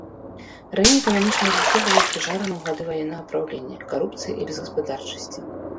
Раней эканамічнае развіццё было абцяжарана ў гады ваеннага праўлення, карупцыі і безгаспадарчасці.